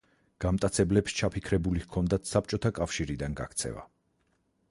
გამტაცებლებს ჩაფიქრებული ჰქონდათ საბჭოთა კავშირიდან გაქცევა.